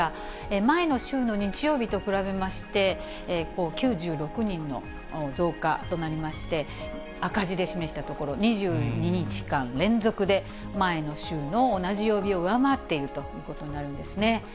前の週の日曜日と比べまして、９６人の増加となりまして、赤字で示したところ、２２日間連続で、前の週の同じ曜日を上回っているということになるんですね。